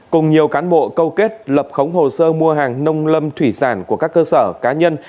cùng nhiều cán bộ câu kết lập khống hồ sơ mua hàng nông lâm thủy sản của các cơ sở cá nhân